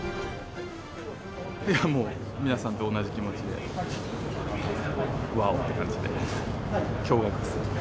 いや、もう、皆さんと同じ気持ちで、わおっ！って感じで驚がくですね。